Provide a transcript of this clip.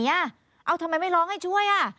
ทำไมไม่ร้องให้ช่วยอ่ะ